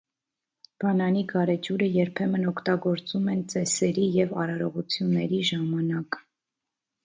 Բանանի գարեջուրը երբեմն օգտագործում են ծեսերի և արարողությունների ժամանակ։